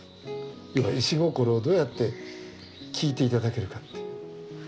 要は石心をどうやって聞いて頂けるかという。